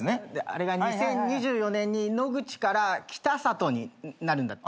あれが２０２４年に野口から北里になるんだって。